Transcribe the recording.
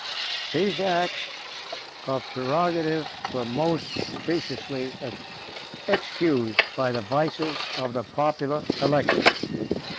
These acts of prerogative were most speciously excused by the vices of a popular election.